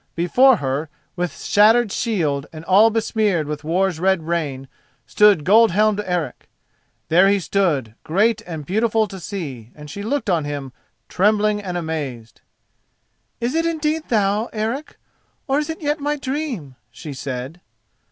before her, with shattered shield and all besmeared with war's red rain, stood gold helmed Eric. There he stood, great and beautiful to see, and she looked on him trembling and amazed. "Is it indeed thou, Eric, or is it yet my dream?" she said.